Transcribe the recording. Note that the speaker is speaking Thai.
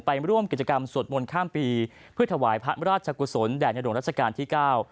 ไปร่วมกิจกรรมสวดมนต์ข้ามปีเพื่อถวายพระราชกุศลแด่ในหลวงรัชกาลที่เก้า